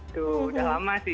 sudah lama sih